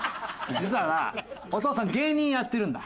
実はなお父さん芸人やってるんだ。